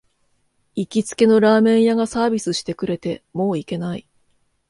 行きつけのラーメン屋がサービスしてくれて、もう行けない